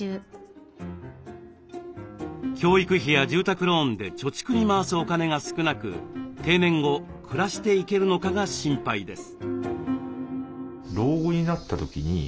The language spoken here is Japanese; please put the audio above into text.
教育費や住宅ローンで貯蓄に回すお金が少なく定年後暮らしていけるのかが心配です。